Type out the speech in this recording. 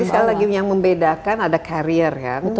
jadi sekali lagi yang membedakan ada karier kan